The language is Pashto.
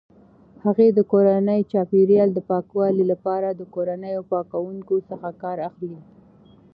هغې د کورني چاپیریال د پاکوالي لپاره د کورنیو پاکونکو څخه کار اخلي.